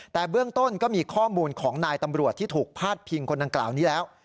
แต่เบื้องต้นก็มีข้อมูลของนายตำรวจที่ถูกพาดพิงคนดังกล่าวนี้แล้ว